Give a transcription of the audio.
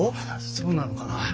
そうなのかなあ。